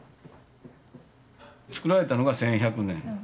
つくられたのが１１００年。